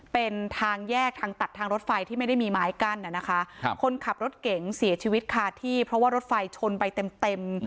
เป็นทางแยกทางตัดทางรถไฟที่ไม่ได้มีไม้กั้นอ่ะนะคะครับคนขับรถเก๋งเสียชีวิตคาที่เพราะว่ารถไฟชนไปเต็มเต็ม